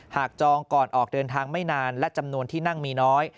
จองก่อนออกเดินทางไม่นานและจำนวนที่นั่งมีน้อย